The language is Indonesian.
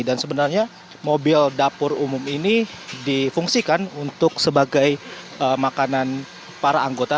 dan sebenarnya mobil dapur umum ini difungsikan untuk sebagai makanan para anggota